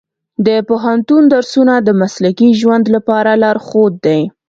د پوهنتون درسونه د مسلکي ژوند لپاره لارښود دي.